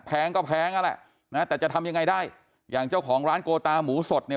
แงก็แพงนั่นแหละนะแต่จะทำยังไงได้อย่างเจ้าของร้านโกตาหมูสดเนี่ย